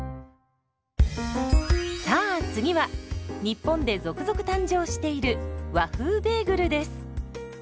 さあ次は日本で続々誕生している「和風ベーグル」です。